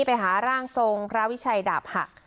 ไปหาร่างทรงพระวิทชัยดับ